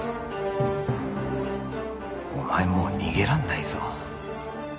お前もう逃げらんないぞ